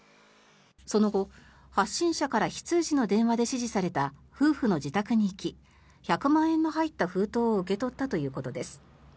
その後、発信者から非通知の電話で指示された夫婦の自宅に行き１００万円の入った封筒を受け取ったということです。